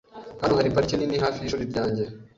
Hano hari parike nini hafi yishuri ryanjye .